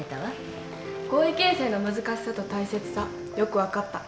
合意形成の難しさと大切さよく分かった。